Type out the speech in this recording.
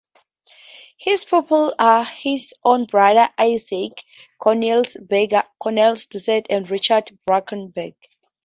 His pupils are his own brother Isaack, Cornelis Bega, Cornelis Dusart and Richard Brakenburg.